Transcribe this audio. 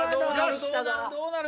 どうなる？